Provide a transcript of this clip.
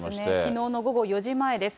きのうの午後４時前です。